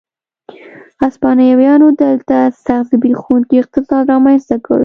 هسپانویانو دلته سخت زبېښونکی اقتصاد رامنځته کړ.